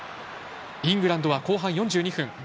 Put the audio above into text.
イングランドは後半４２分。